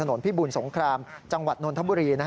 เห็นผู้โดยสารไหมครับ